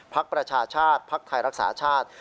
พรรคประชาชาติพรรคไทยรักษาชาติ